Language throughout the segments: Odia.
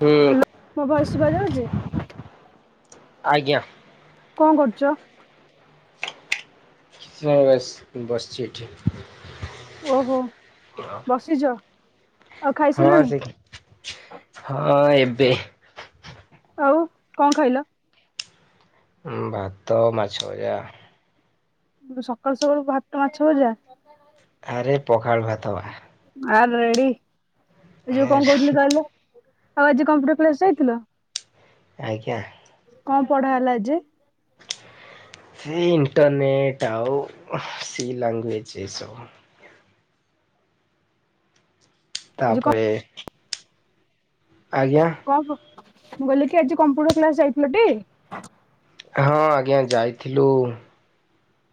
ହୁଁ ହ୍ୟାଲୋ ମୋ ଭଏସ ସୁଭାଯାଉଛି। ଆଜ୍ଞା। କଣ କରୁଚ? କିଛି ନାହିଁ ବାସ୍ ବସିଚି ଏଠି। ଓହୋ ବସିଚ। ହଁ ସେଠୀ ହଁ ଏବେ। ଆଉ କଣ ଖାଇଲ? ଭାତ ମାଛଭଯା। ସକାଲୁ ସକାଲୁ ଭାତ ମାଛଭଜା। ଆରେ ପଖାଳ ଭାତ ବା। ଆ ରେଡି ଯୋଉ କଣ କହୁଥିଲି କହିଲ ଆଜି କମ୍ପୁଟର କ୍ଲାସ୍ ଯାଇଥିଲ? ଆଜ୍ଞା। କଣ ପଢା ହେଲା ଯେ? ସି ଇଣ୍ଟରନେଟ ଆଉ ସି ଲାଙ୍ଗୁଏଜ୍ ଏ ସବୁ। ଆଜି କଣ ତାପରେ ଆଜ୍ଞା। କଣ ମୁଁ କହିଲି କି ଆଜି କମ୍ପ୍ୟୁଟର କ୍ଲାସ ଯାଇଥିଲଟି। ହଁ ଆଜ୍ଞା ଯାଇଥିଲୁ।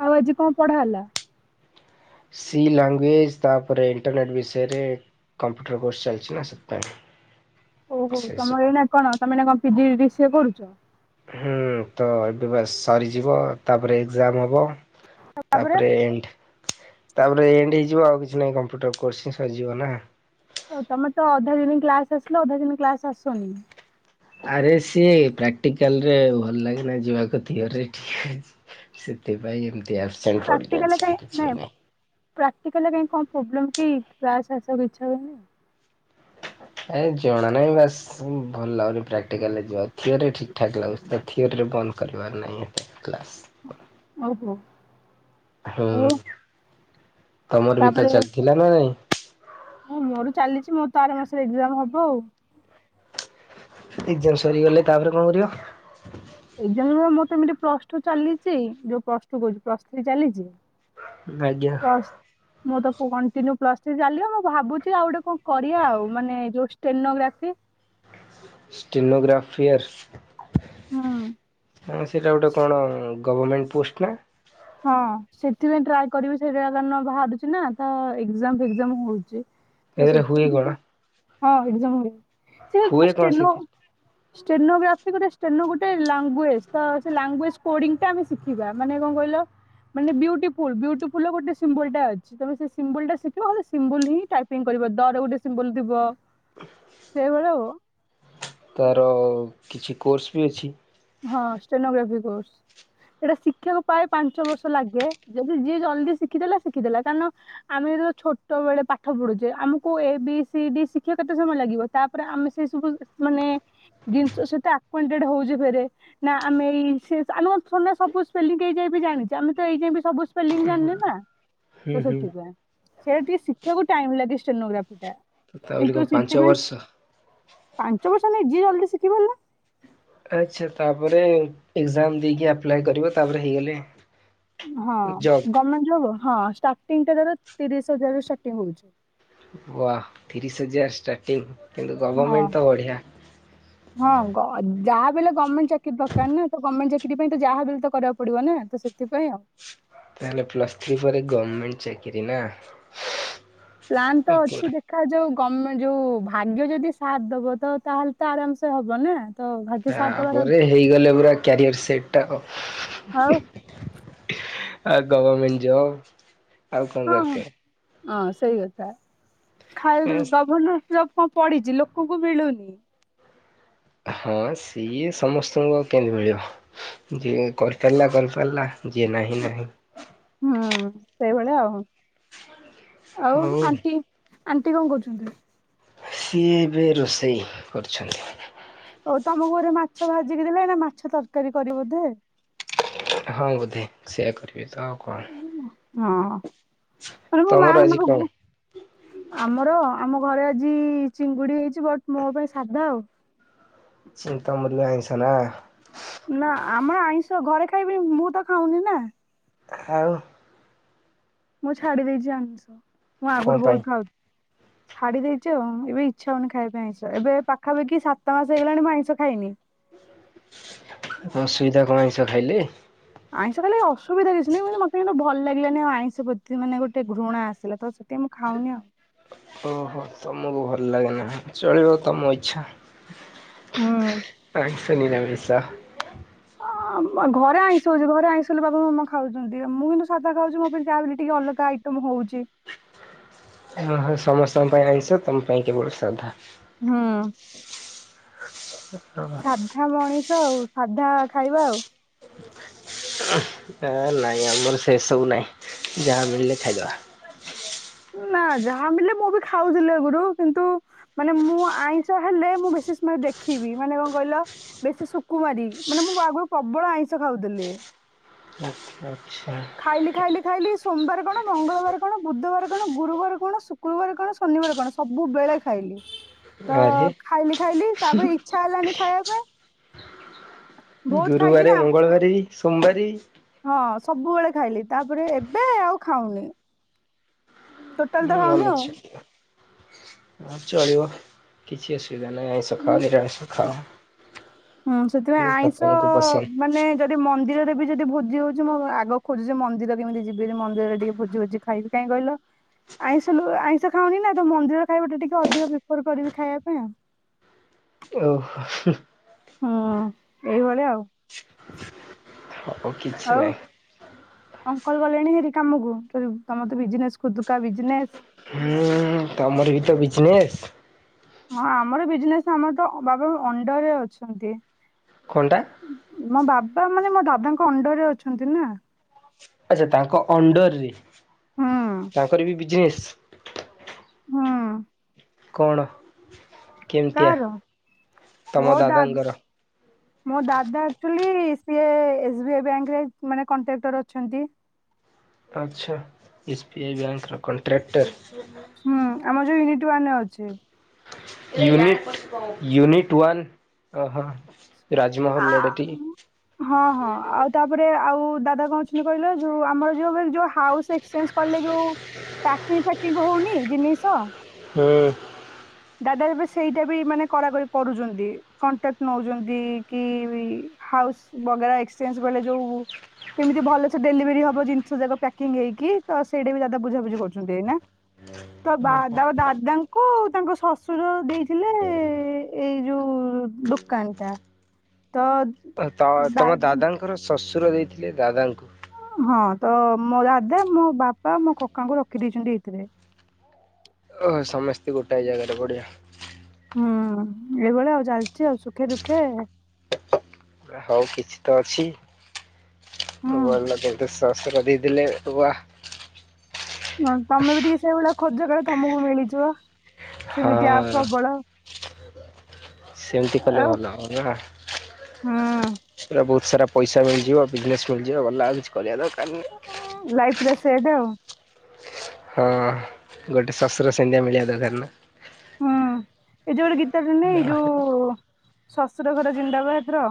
ଆଉ ଆଜି କଣ ପଢା ହେଲା। ସି ଲାଙ୍ଗୁଏଜ ତାପରେ ଇଣ୍ଟରନେଟ ବିଷୟରେ। କମ୍ପ୍ୟୁଟର କୋର୍ସ ଚାଲଛି ନାଁ ସେଥିପାଇଁ। ଓହୋ ସେସବୁ ତମର ଏଇ କଣ ତମେ ଏଇନା କଣ ପିଜି ଡିସିଏ ପଢ଼ୁଚ। ହୁଁ ତ ଏବେ ବାସ ସରିଯିବ ତାପରେ ଏଗଜାମ ହବ। ତାପରେ ଏଣ୍ଡ। ତାପରେ ଏଣ୍ଡ ହେଇଯିବ ଆଉ କିଛି ନାହିଁ କମ୍ପ୍ୟୁଟର କୋର୍ସ ହିଁ ସରିଜିବ ନାଁ। ଓ ତମେ ତ ଅଧା ଦିନି କ୍ଲାସ ଆସିଲ ଅଧା ଦିନି କ୍ଲାସ ଆସନି। ଆରେ ସିଏ ପ୍ରାକ୍ଟିକାଲ ରେ ଭଲ ଲାଗେନା ଯିବାକୁ ର [unintelligible] ସେଥି ପାଇଁ ଏମତି ଆପସେଣ୍ଟ ପଡି କି ଅଛି ଆଉ କିଛି ବି ନାହିଁ। ପ୍ରାଟିକାଲରେ କଣ ପ୍ରୋବ୍ଲେମ୍ କି କ୍ଲାସ ଆସିବାକୁ ଇଛା ହୁଏନି? ଏ ଜଣା ନାହିଁ ବାସ ହୁଁ। ଭଲ ଲାଗୁନି ପ୍ରାଟିକାଲରେ ଯିବାକୁ ଏଥିରେ ଠିକ୍ ଠାକ୍ ଲାଗୁଛି ତ ଏଥିରେ ବନ୍ଦ କରିବାର ନାହିଁ ଏ କ୍ଲାସ୍। ଓ ହୋ। ହୁଁ । ତମର ବି ତ ତାପରେ ଚାଲିଥିଲା ନା ନାଇଁ। ହଁ ମୋର ଚାଲିଛି ମୋର ତ ଆର ମାସରେ ଏକଜାମ ହବ ଆଉ। ଏକଜାମ ସରିଗଲେ ତାପରେ କଣ କରିବ? ଏକଜାମ ନୁହଁ ମୋର ତ ଏମିତି ପ୍ଲସଟୁ ଚାଲିଛି ଯୋଉଁ ପ୍ଲସଟୁ କହୁଛି ପ୍ଲସ ଥ୍ରୀ ଚାଲିଛି। ଆଜ୍ଞା ପ୍ଲସ ମୁଁ ତ [unintelligible] କଣ୍ଟିନିୟୁ ପ୍ଲସ ଥ୍ରି ଚାଲବ ମୁଁ ଭାବୁଛି ଆଉ ଗୋଟେ କଣ କରିବା ଆଉ ମାନେ ଯଉ ଷ୍ଟେନ ଗ୍ରାଫି [unintelligible] ଷ୍ଟେନ ଗ୍ରାଫିଆ ହୁଁ। ସେଇଟା ଗୋଟେ କଣ? ଗଭରମେଣ୍ଟ ପୋଷ୍ଟ ନା। ହଁ ସେଥିପାଇଁ ଟ୍ରାଏ କରିବି ସେଇଟା କାରଣ ବାହାରୁଛି ନା ତ ଏଗଜାମ ଫେଗଜାମ ହଉଛି। ତ ଏଥିରେ ହୁଏ ସେଥିପାଇଁ କଣ? ଟିକେ ହଁ ଏଗଜାମ ହବ ସେ ହୁଏ ତମେ କଣ ଷ୍ଟେଲ ସେଥିରେ? ଷ୍ଟେନ ବି ସେ ଗୋଟେ ଷ୍ଟେନ ଗୋଟେ ଲାଙ୍ଗୁଏଜ ତ ସେ ଲାଙ୍ଗୁଏଜ କୋଡିଙ୍ଗ ଟା ଆମେ ଶିିଖିବା ମାନେ କଣ କହିଲ ମାନେ ବିୱଟିଫୁଲ୍ ବିୱଟିଫୁଲ ର ଗୋଟେ ସିମ୍ବୁଲ୍ ଟା ଅଛି ତେଣୁ ସେ ସିମ୍ବୁଲ୍ ଟା ଶିଖିବ ହେଲେ ସିମ୍ବୁଲ ହିଁ ଟ୍ରାକ୍ ସିଙ୍ଗ କରିବ ଦରେ ଗୋଟେ ସିମ୍ୱଲ ଥିବ ସେଇଭଳି ଆଉ ତାର କିଛି କୋର୍ସ ବି ଅଛି। ହଁ ଷ୍ଟେନୋଗ୍ରାଫି କୋର୍ସ। ସେଇଟା ଶିକ୍ଷାକୁ ପ୍ରାଏ ପାଞ୍ଚ ବର୍ଷ ଲାଗେ। ଯଦି ଯିଏ ଜଲ୍ଦି ଶିଖିଦେଲା ଶିଖିଦେଲା କାରଣ ଆମେ ଛୋଟ ବେଳେ ପାଠ ପଢୁଛେ ଆମକୁ ଏ ବି ସି ଡି ଶିକ୍ଷିବା କେତେ ସମୟ ଲାଗିବ ତାପରେ ଆମେ ସେ ସବୁ ମାନେ ଜିନିଷ ସହିତ ଆଣ୍ଟଡ ହଉଛି ଫରେ ନା ଆମେ ଏଇ ସେ ଆମେ କଣ ଥୋଡ଼ିନା ସବୁ ସ୍ପେଲିଙ୍ଗ ଏଇ ଯାଏଁ ବି ଜଣିଛେ ଆମେ ତ ଏଇ ଯାଏଁ ବି ସବୁ ସ୍ପେଲିଙ୍ଗ ଜାଣିନେ ନା। ହୁଁ ତ ହୁଁ। ସେଥିପାଇଁ ସେଟା ଟିକେ ଶିଖିବାକୁ ଟାଇମ ଲାଗେ ଷ୍ଟୋନୋଗ୍ରାଫି ଟା। ତ ତା ବୋଲି କିନ୍ତୁ କଣ ପାଞ୍ଚ ସେଥିପାଇଁ ବର୍ଷ? ପାଞ୍ଚ ବର୍ଷ ନାଇ ଯିଏ ଜଲଦି ଶିଖି ପାରିଲା। ଆଚ୍ଛା ତାପରେ ଏକ୍ସାମ୍ ଦେଇକି ଆପ୍ଲାଏ କରିବ ତାପରେ ହେଇଗଲେ ହଁ ଜବ୍ ଗଭର୍ଣ୍ଣମେଣ୍ ଯୋବ, ହଁ ଷ୍ଟାର୍ଟିଂ ଟା ତାର ତିରିଶ ହଜାରରୁ ଷ୍ଟାର୍ଟିଂ ହୋଉଛି। ୱା ତିରିଶ ହଜାର ଷ୍ଟାର୍ଟିଂ। କିନ୍ତୁ ହଁ ଗଭର୍ଣ୍ଣମେଣ୍ଟ ତ ବଢ଼ିଆ। ହଁ ଯାହା ଲେ ଗଭର୍ଣ୍ଣମେଣ୍ ଚାକିରୀ ଦରକାର ନା ତ ଗଭର୍ଣ୍ଣମେଣ୍ ଚାକିରୀ ପାଇଁ ତ ଯାହାବି ହେଲେ ବି କରିବାକୁ ପଡିବ ନା ତ ସେଥିପାଇ ଆଉ। ତାଲେ ପ୍ଲସ ଥ୍ରୀ ଫରେ ଗଭର୍ମେଟ ଚାକିରି ନା। ପ୍ଲାନ୍ ତ ଅଛି ଦେଖା ଯୋଉ। କ ଯୋଉ ଭାଗ୍ୟ ଯଦି ସାଥ ଦବ ତ ତାହେଲେ ତ ଆରାମ ସେ ହବ ନା। ତ ଭାଗ୍ୟ ସାଥ ଦବାର ଅଛି ତାପରେ ହେଇଗଲେ ପୁରା କ୍ୟାରିଅର ସେଟ ଟା। ଆଉ ଆ ଗଭର୍ମେଣ୍ଟ ଜବ ଆଉ କଣ ହଁ ହଁ ଦରକାର। ହଁ ସେଇ କଥା [unintelligible] ଗଭର୍ଣ୍ଣର ଜବ କଣ ପଡିଚି ଲୋକଙ୍କୁ ମିଳୁନି। ହଁ ସିଏ ସମସ୍ତଙ୍କୁ ଆଉ କେମିତି ମିଳିବ ଯିଏ କରିପାରିଲା କରିପାରିଲା। ଯିଏ ନାହିଁ ନାହିଁ। ହୁଁ ସେଇଭଳିଆ ଆଉ। ଆଉ ହଉ ଆଣ୍ଟି ଆଣ୍ଟି କଣ କରୁଚନ୍ତି? ସିଏ ଏବେ ରୋଷେଇ କରୁଛନ୍ତି। ଆଉ ତମକୁ ବୋଧେ ମାଛ ଭାଜିକି ଦେଲେ ଏଇନା ମାଛ ତରକାରୀ କରିବ ବୋଧେ? ହଁ ବୋଧେ ସେୟଆ କରିବି ତ ଆଉ କଣ। ହଁ ଏଇ ମୋ ମା ତମର ଆଜି କଣ? ମାନଙ୍କୁ ଆମର ଆମ ଘରେ ଆଜି ଚିଙ୍ଗୁଡି ହେଇଚି ବଟ୍ ମୋ ପାଇଁ ସାଧା ଆଉ। ସେ ତମର ବି ଆଇଁଷ ନା? ନା ଆମର ଆଇଁଷ ଘରେ ଖାଇବେ ମୁଁ ତ ଖାଉନି ନା। ଖାଉ ମୁଁ ଛାଡି ଦେଇଚି ଆମୀଷ ମୁଁ କଣ ଆଗରୁ ପାଇଁ ବହୁତ ଖାଉଥ ଛାଡି ଦେଇଚୁ ଆଉ ଏବେ ଇଚଛା ହଉନି ଖାଇବା ପାଇଁ ଆଇଁଷ ଏବେ ପାଖାପାଖି ସାତ ମାସ ହେଇଗଲାଣି ମୁଁ ଆଇଁଷ ଖାଇନି। ଇ [inaudible] ଅସୁବିଧା କଣ ଆଇଁସ ଖାଇଲେ? ଆଇଁଷ ଖାଇଲେ ଅସୁବିଧା କିଛି ନାହିଁ ମତେ କିନ୍ତୁ ଭ ଭଲ ଲାଗିଲାନି ଆଉ ଆଇଁଷ ପ୍ରତି ମାନେ ଗୋଟେ ଘୃଣା ଆସିଲା ତ ସେଥି ପାଇଁ ମୁଁ ଖାଉନି ଆଉ। ଓହୋ ତମକୁ ଭଲ ଲାଗେ ନା ଚଳିବ ତମ ଇଚ୍ଛା। ହୁଁ। ସୁନୀନା ମିର୍ଶ୍ରା। ହଁ ଘରେ ଆଇଁଷ ହଉଚି, ଘରେ ଆଇଁଷ ହେଲେ ବାବା ମାମା ଖାଉଚନ୍ତି ମୁଁ କିନ୍ତୁ ସାଧା ଖାଉଚି ମୋ ପାଇଁ ତା ଟିକେ ଅଲଗା ଆଇଟମ୍ ହଉଚି। ଓହୋ ସମସ୍ତଙ୍କ ପାଇଁ ଆଇଁଷ ତମ ପାଇଁ କେବଳ ସାଧା। ହୁଁ। ହ ସାଧା ମଣିଷ ଆଉ ସାଧା ଖାଇବା ଆଉ। ନା ନାହିଁ ଆମର ସେସବୁ ନାହିଁ। ଯାହା ମିଳିଲେ ଖାଇଦବା। ନା ଯାହା ମିଳିଲେ ମୁଁ ବି ଖାଉଥିଲି ଆଗୁରୁ, କିନ୍ତୁ ମାନେ ମୁଁ ଆଇଁଷ ହେଲେ ମୁଁ ବେଶୀ ସ୍ମେ ଦେଖିବି ମାନେ କଣ କହିଲ ବେଶୀ ସୁୁକୁୁମାରି ମାନେ ମୁଁ ଆଗରୁ ପ୍ରବଳ ଆଇଁଷ ଖାଉଥିଲି। ଆଚ୍ଛା ଖାଇଲି ଆଚ୍ଛା। ଖାଇଲି ଖାଇଲି ସୋମବାର କଣ ମଙ୍ଗଳବାର କଣ ବୁଧବାର କଣ ଗୁରୁବାର କଣ ଶୁକ୍ରବାର କଣ ଶନିବାର କଣ ସବୁ ବେଳେ ଖାଇଲି। ତ ଆରେ ଖାଇଲି ଖାଇଲି ତାପରେ ଇଚ୍ଛା ହେଲାନି ଖାଇବା ପାଇଁ ବହୁତ ଖାଇଛି ଗୁରୁବାର ନା ମଙ୍ଗଳବାରି ସୋମବାରି। ହଁ ସବୁବେଳେ ଖାଇଲି ତାପରେ ଏବେ ଆଉ ଖାଉନି। ଟୋଟାଲ ତ ହଁ ଖାଉନି ଆଉ। ମନଇଛା। ହଁ ଚଳିବ କିଛି ଅସୁବିଧା ନାହିଁ ଆଇଁଷ ଖାଅ ନିରଷ ଖାଅ। ହୁଁ ସେଥିପାଇଁ ଯୋଉଟା ଆଇଁଷ ତମକୁ ପସନ୍ଦ ମାନେ ଯଦି ମନ୍ଦିରରେ ବି ଯଦି ଭୋଜି ହଉଛି ମୁଁ ଆଗ ଖୋଜୁଛି ମନ୍ଦିର କେମିତି ଯିବି ମନ୍ଦିରରେ ଟିକେ ଭୋଜି ଭୋଜି ଖାଇବି କାହିଁ କହିଲ। ଆଇଁଷ ଆଇଁଷ ଖାଉନି ନା ତ ମନ୍ଦିର ଖାଇବା ଟେ ଟିକେ ଅଧିକ ପ୍ରିଫର କରିବି ଖାଇବା ପାଇଁ ଆଉ। ଓହୋ। ହୁଁ ଏଇଭଳିଆ ଆଉ। ଉ କିଛି ନାହିଁ କରି ଗଲେଣି ହେରି କାମକୁ ତମ ତ ବିଜିନେସ କୁଦା ବିଜିନେସ ହୁଁ ତମର ବି ତ ବିଜନେସ। ହଁ ଆମର ବିଜନେସ୍ ଆମର ତ ବାବା ଅଣ୍ଡର ଅଛନ୍ତି। କଣଟା? ମୋ ବାବା ମାନେ ମୋ ଦାଦାଙ୍କ ଅଣ୍ଡରେ ଅଛନ୍ତି ନା। ଆଛା ତାଙ୍କ ଅଣ୍ଡରରେ ହୁଁ ତାଙ୍କର ବି ବିଜିନେସ ହୁଁ କଣ? କେମିତିଆ କାହାର ତମ ମୋ ଦା ଦାଦାଙ୍କର ମୋ ଦାଦା ଖାଲି ସିଏ ଏସ୍ ବି ଆଇ ବ୍ୟାଙ୍କ ରେ ମାନେ କଣ୍ଟ୍ରାକ୍ଟର ଅଛନ୍ତି। ଆଚ୍ଛା ଏସ୍ ପି ଆଇ ବ୍ୟାଙ୍କର କଣ୍ଟ୍ରାକ୍ଟର। ହୁଁ ଆମର ଯେଉ ୟୁନିଟ ୱାନ ଅଛି। ୟୁନିଟ୍ ୟୁନିଟ ୱନ୍ ଅହ। ଆ ହଁ ହଁ ଆଉ ତାପରେ ଆଉ ଦାଦା କହୁଛନ୍ତି କହିଲ ଯୋଉ ଆମର ଯୋଉ ଯୋଉ ହାଉସ ଏକ୍ସଚେଞ୍ଜ କଲେ ଯୋଉ ପ୍ୟାକିଂ ଫ୍ୟାକିଂ ହଉନି ଜିନିଷ? ହୁଁ। ଦାଦା ଏବେ ସେଇଟା ବି ମାନେ କରାକଡି କରୁଛନ୍ତି କଣ୍ଟାକ୍ଟ ନଉଛନ୍ତି କି ହାଉସ ବଗେରା ଏକ୍ସଚେଞ୍ଜ ବେଳେ ଯୋଉ କେମିତି ଭଲସ ଡେଲିଭରି ହବ ଜିନିଷ ଯାକ ପ୍ୟାକିଂ ହେଇକି ତ ସେଇଟା ବି ଦାଦା ବୁଝାବୁଝି କରୁଛନ୍ତି। ତ ଓହୋ। ବାଦ ଦାଦାଙ୍କୁ ତାଙ୍କ ଶଶୁର ଦେଇଥିଲେ ଏଇ ଯୋଉ ଦୋକାନ ଟା। ତ ତ ତା ଦା ତମ ଦାଦାଙ୍କର ଶ୍ୱଶୁର ଦେଇଥିଲେ ଦାଦାଙ୍କୁ। ହଁ ତ ମୋ ଦାଦା ମୋ ବାପା ମୋ କକାଙ୍କୁ ରଖିଦେଇଛନ୍ତି ଏଇଥିରେ। ଓ ସମସ୍ତେ ଗୋଟାଏ ଜାଗାରେ ବଢିଆ। ହୁଁ ଏଇଭଳିଆ ଆଉ ଚାଲିଛି ଆଉ ସୁଖେ ଦୁଃଖେ। ହଉ କିଛି ତ ଅଛି ହୁଁ ଭଲ କିନ୍ତୁ। ଶଶୁର ଦେଇଦେଲେ ୱା। ହଁ ତମେ ବି ଟିକେ ସେଇଭଳିଆ ଖୋଜ କଲେ ତମକୁ ମିଳିଯିବ ସେମିତିଆ ହଁ ପ୍ରବଳ। ସେମିତି କଲେ ଆଉ ଭଲ ହବନା ହୁଁ ସେଟା ବୋ ସାରା ପଇସା ମିଳିଯିବ ବିଜନେସ୍ ଖୋଲିଯିବ ଗଲା କିଛି କରିବା ଦେବ କାର ନାହିଁ। ପୁରା ସେଟ ଆଉ। ହଁ ଗୋଟେ ଶଶୁର ସେମେତିଆ ମିଳିବା ଦରକାର ନା। ହୁଁ ଏଇ ଯୋଉ ଗୋଟେ ଗୀତଟେ ନାହିଁ ଏଇ ନହେଲେ ଯୋଉ ଶଶୁର ଘରେ ଜିନ୍ଦାବାଦ ର।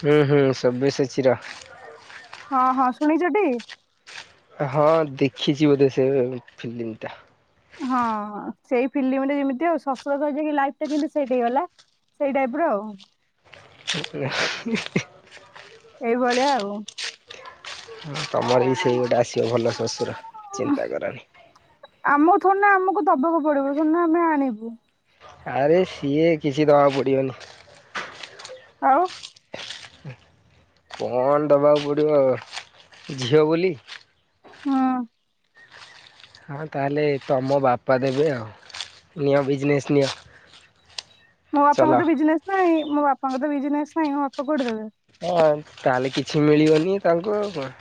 ହୁଁ ହୁଁ ସଭ୍ୟସଚୀ ର। ହଁ ହଁ ଶୁଣିଛଟି? ହଁ ଦେଖିଛି ବୋଧେ ସେ ଫିଲ୍ମ ଟା। ହଁ ସେଇ ଫିଲ୍ମରେ ଯେମିତି ଆଉ ଶଶୁର ଘର ଯାଇକି ଲାଇଫଟା କେନ୍ତି ସେଟ ହେଇଗଲା। ସେଇ ଟାଇପର ଆଉ। [unintelligible] ଏଇଭଳିଆ ଆଉ। ହଁ ତମର ବି ସେଇ ଗୋଟେ ଆସିବ ଭଲ ଶଶୁର ଚିନ୍ତା କରନି। ଥୋଡ଼ିନ ଆମକୁ ଦବାକୁ ପଡିବ ଥୋଡିନ ଆମେ ଆଣିବୁ। ଆରେ ସିଏ କିଛି ଦବାକୁ ପଡିବନି। ଆଉ। କଣ ଦବାକୁ ପଡିବ ଝିଅ ବୋଲି। ହଁ। ହଁ ତାହେଲେ ତମ ବାପା ଦେବେ ଆଉ ନିଅ ବିଜନେସ୍ ନିଅ। ମୁଁ ଚଲାଅ। ବାପାଙ୍କ ବିଜନସ ନାହିଁ ମୁଁ ବାପାଙ୍କ ତ ବିଜନେସ ନାହିଁ ମୁଁ ବାପା କଉଠୁ ଦେବେ। ହଁ ତାହେଲେ କିଛି ମିଳିବନି ତାଙ୍କୁ ଆଉ କଣ।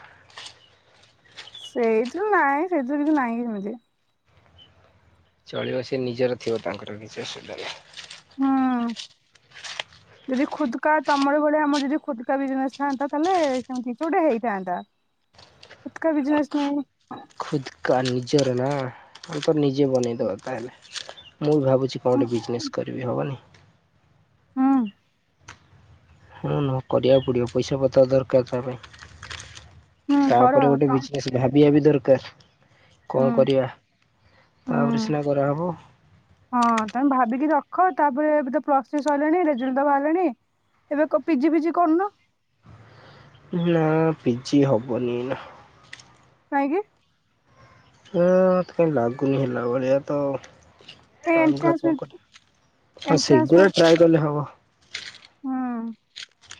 ସେଇଥିରୁ ନାଇଁ ସେଇଥିରୁ କିଛି ନାହିଁ ସେମିତି। ଚଳିବ ସେ ନିଜର ଥିବ ତାଙ୍କର କିଛି ଅସୁବିଧା ନାଇ। ହୁଁ। [inaudible] ଯଦି ଖୁଦକା ତମର ଭଳିଆ ଆମର ଯଦି ଖୋଦକା ବିଜନେସ ଥାନ୍ତା ତାହେଲେ ସେମତି କିଛି ଗୋଟେ ହେଇଥାନ୍ତା। ଖୁଦକା ବିଜନେସ ନାଇ।। ଖୁଦକା ନିଜର ନା ତ ନିଜେ ବନେଇଦବା ତାହେଲେ। ମୁଁ ବି ଭାବୁଛି କଣେ ବିଜନେସ କରିବି ହବନି। ହଁ। ହଁ ନକରିବାକୁ ପଡ଼ିବ ପଇସା ପତ୍ର ଦରକାର ତା ହୁଁ ପାଇଁ। କର ତାପରେ ଗୋଟେ ବିଜନେସ ଭାବିବା ବି ଦରକାର। ହୁଁ କଣ କରିବା ତାପରେ ହୁଁ। ସିନା କରାହେବ। ହଁ ତମେ ଭାବିକି ରଖ ତାପରେ ଏବେ ତ ପ୍ଲ ଥ୍ରୀ ସଇଲାଣି ରେଜଲଟ ବାହାରିଲାଣି ଏବେ କ ପିଜି ଫିଜି କରୁନ? ନା ପିଜି ହବନି ଏନା। କହିଁକି? ହଁ ମତେ କାଇଁ ଲାଗୁନି ହେଲା ଭଳିଆ ତ। କାଇଁ ଆଗା ଏଣ୍ଟ୍ରାନ୍ସ [unintelligible] ଫେଣ୍ଟ୍ରା ହଁ ସେଗୁଡ଼ା ଟ୍ରାଏ କଲେ ହବ। ହଁ।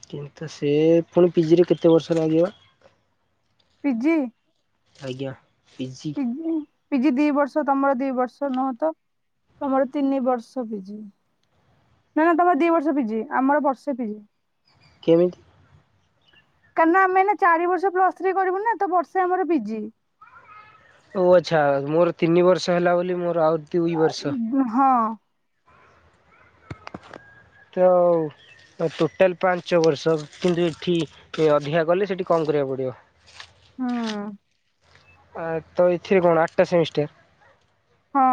କିନ୍ତୁ ସେ ପୁଣି ପିଜିରେ କେତେ ବର୍ଷରେ ଲାଗିବ? ପିଜିି। ଆଜ୍ଞା। ପିଜି। ପିଜି ଦି ବର୍ଷ ତମର ଦି ବର୍ଷ ନୁହଁତ ତମର ତିନି ବର୍ଷ ପିଜି। ନାଁ ନାଁ ତମର ଦି ବର୍ଷ ପିଜି ଆମର ବର୍ଷେ ପିଜି। କେମିତି? କାହିଁନା ଆମେ ଚାରି ବର୍ଷ ପ୍ଲସ ଥ୍ରୀ କରିବୁ ନା ତ ବର୍ଷେ ଆମର ପିଜି। ଓ ଆଚ୍ଛା ମୋର ତିନି ବର୍ଷ ହେଲା ବୋଲି ମୋର ଆଉ ଦୁଇ ବର୍ଷ ହଁ। [inaudible] ତ ଟୋଟାଲ ପାଞ୍ଚ ବର୍ଷ କିନ୍ତୁ ଏଠି ଅଧିକା ଗଲେ ସେଠି କମ କରିବାକୁ ପଡିବ। ଆ ତ ର କଣ ଆଠଟା ସେମିଷ୍ଟାର। ହଁ।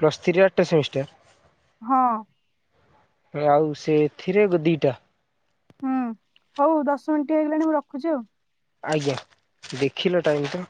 ପ୍ଲସ୍ ଥ୍ରୀରେ ଆଠ ସେମିଷ୍ଟର? ହଁ। ଆଉ ସେଥିରେ ଦିଟା? ହୁଁ ହଉ ଦଶ ମିନିଟ ହେଇଗଲାଣି ମୁଁ ରଖୁଛି ଆଉ ଆଜ୍ଞା ଦେଖିଲ ଟାଇମ ତ